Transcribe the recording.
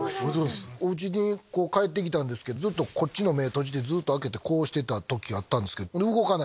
おうちに帰ってきたんですけどこっちの目閉じてこうしてた時あったんです。